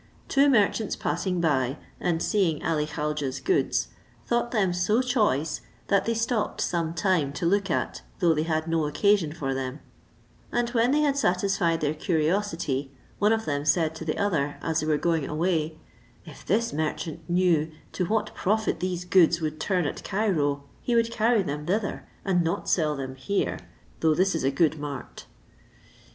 Two merchants passing by, and seeing Ali Khaujeh's goods, thought them so choice, that they stopped some time to look at, though they had no occasion for them; and when they had satisfied their curiosity, one of them said to the other, as they were going away, "If this merchant knew to what profit these goods would turn at Cairo he would carry them thither, and not sell them here, though this is a good mart."